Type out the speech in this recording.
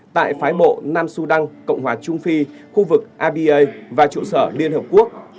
tại phái bộ nam su đăng cộng hòa trung phi khu vực aba và trụ sở liên hợp quốc